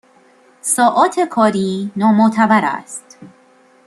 ساعات کاری نامعتبر است